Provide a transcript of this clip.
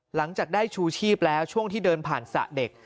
หลังจากได้ชูชีพแล้วช่วงที่เดินผ่านสระเด็ก